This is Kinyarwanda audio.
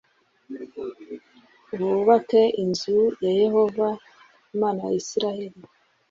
bubake inzu ya Yehova Imana ya Isirayeli